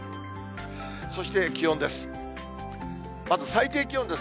そして、気温です。